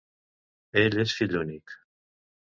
Ell és fill únic.